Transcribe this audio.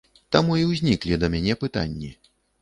Таму і ўзніклі да мяне пытанні.